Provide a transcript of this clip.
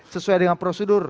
sesuai dengan prosedur